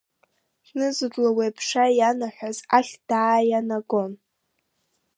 Зны-зынла уи аԥша ианаҳәаз ахь дааианагон…